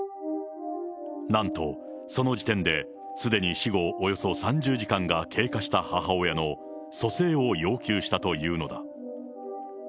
なんと、その時点ですでに死後およそ３０時間が経過した母親の蘇生を要求したというのだ。